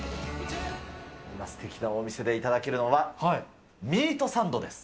すてきなお店で頂けるのは、ミートサンドです。